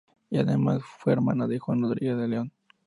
Y además fue hermana de Juan Rodríguez de León.